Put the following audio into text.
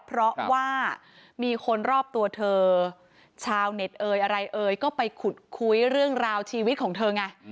เพราะว่ามีคนรอบตัวเธอชาวเน็ตเอยอะไรเอ่ยก็ไปขุดคุยเรื่องราวชีวิตของเธอไง